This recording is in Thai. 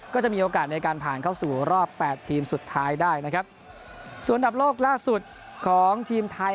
ก็จะมีโอกาสในการผ่านเข้าสู่รอบแปดทีมสุดท้ายได้นะครับส่วนอันดับโลกล่าสุดของทีมไทย